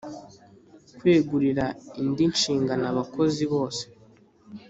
kwegurira indi nshingano abakozi bose